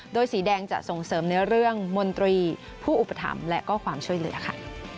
โดยสีแดงจะส่งเสริมในเรื่องมนตรีผู้อุปถัมภ์และก็ความช่วยเหลือค่ะ